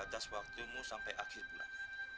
batas waktumu sampai akhir bulan